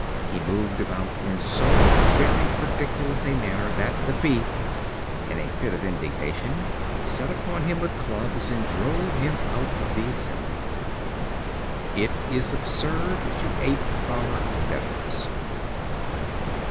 He moved about in so very ridiculous a manner, that the Beasts, in a fit of indignation, set upon him with clubs, and drove him out of the assembly. It is absurd to ape our betters.